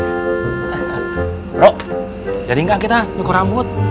bro jadi enggak kita nyukur rambut